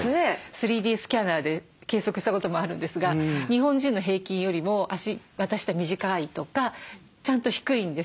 ３Ｄスキャナーで計測したこともあるんですが日本人の平均よりも脚股下短いとかちゃんと低いんですよ。